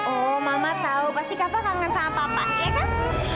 oh mama tahu pasti kak fah kangen sama papa ya kan